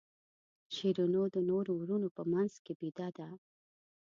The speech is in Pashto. شیرینو د نورو وروڼو په منځ کې بېده ده.